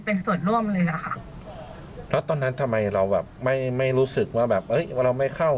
เป็นส่วนร่วมเลยอะค่ะแล้วตอนนั้นทำไมเราแบบไม่ไม่รู้สึกว่าแบบเอ้ยว่าเราไม่เข้า